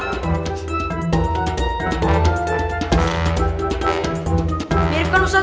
terima kasih ustazah